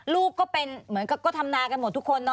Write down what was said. ลูกก็เป็นเหมือนกับก็ทำนากันหมดทุกคนเนอ